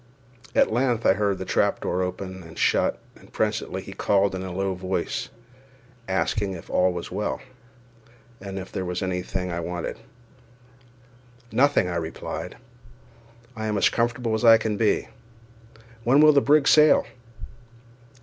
At length I heard the trap open and shut, and presently he called in a low voice, asking if all was well, and if there was any thing I wanted. "Nothing," I replied; "I am as comfortable as can be; when will the brig sail?"